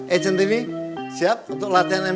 eh cinti ini siap untuk latihan m dua